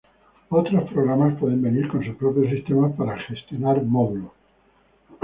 Otros programas pueden venir con su propio sistema para gestionar módulos.